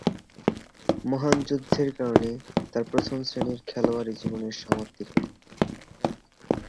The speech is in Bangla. মহান যুদ্ধের কারণে তার প্রথম-শ্রেণীর খেলোয়াড়ী জীবনের সমাপ্তি ঘটে।